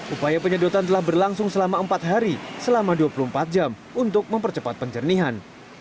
upaya penyedotan telah berlangsung selama empat hari selama dua puluh empat jam untuk mempercepat penjernihan